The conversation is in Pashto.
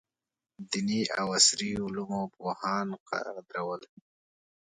دیني او عصري علومو پوهان قدرول.